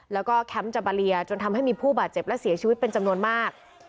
แล้วก็แคมป์จาบาเลียจนทำให้มีผู้บาดเจ็บและเสียชีวิตเป็นจำนวนมาก